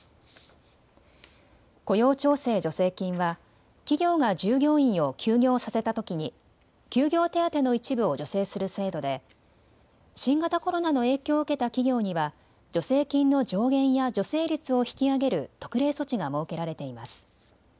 雇用調整助成金は企業が従業員を休業させたときに休業手当の一部を助成する制度で新型コロナの影響を受けた企業には助成金の上限や助成率を引き上げる特例措置が設けられています。